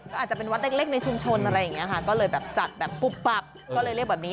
ก็อาจจะเป็นวัดเล็กในชุมชนอะไรอย่างนี้ค่ะก็เลยแบบจัดแบบปุบปับก็เลยเรียกแบบนี้